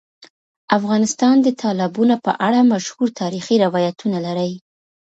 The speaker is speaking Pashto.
افغانستان د تالابونه په اړه مشهور تاریخی روایتونه لري.